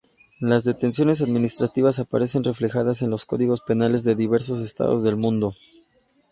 Las detenciones administrativas aparecen reflejadas en los códigos penales de diversos estados del mundo.